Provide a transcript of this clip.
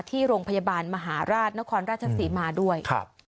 ที่โรงพยาบาลมหาราชนครราชศรีมาด้วย